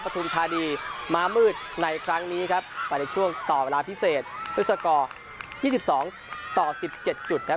ทาดีมามืดในครั้งนี้ครับไปในช่วงต่อเวลาพิเศษด้วยสกอร์ยี่สิบสองต่อสิบเจ็ดจุดครับ